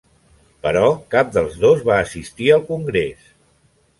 Però cap dels dos va assistir al congrés.